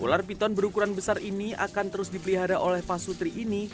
ular piton berukuran besar ini akan terus dipelihara oleh pak sutri ini